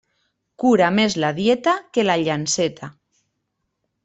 Cura més la dieta que la llanceta.